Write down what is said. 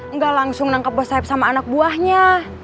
nggak langsung nangkep bos saeb sama anak buahnya